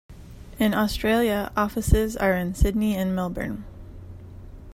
In Australia offices are in Sydney and Melbourne.